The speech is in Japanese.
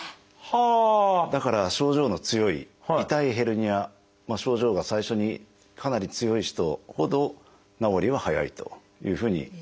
だから症状の強い痛いヘルニア症状が最初にかなり強い人ほど治りは早いというふうにいわれてます。